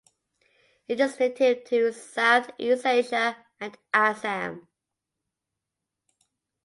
It is native to Southeast Asia and Assam.